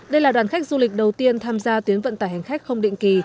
đây là đoàn khách du lịch đầu tiên tham gia tuyến vận tải hành khách không định kỳ